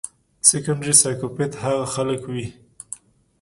سيکنډري سائکوپېت هاغه خلک وي